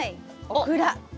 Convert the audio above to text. オクラ！